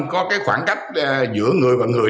có khoảng cách giữa người và người